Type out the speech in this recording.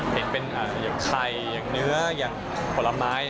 เห็นเป็นอย่างไข่อย่างเนื้ออย่างผลไม้